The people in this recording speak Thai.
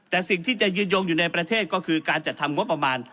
แต่สิ่งที่จะยืนยงอยู่ในประเทศก็คือการจัดทำงบประมาณ